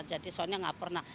jadi soalnya gak pernah